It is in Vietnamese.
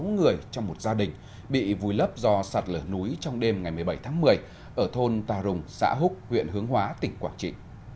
sáu người trong một gia đình bị vùi lấp do sạt lở núi trong đêm ngày một mươi bảy tháng một mươi ở thôn tà rùng xã húc huyện hướng hóa tỉnh quảng trị